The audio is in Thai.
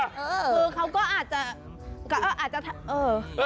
คือเขาก็อาจจะอ่ะอาจจะเออ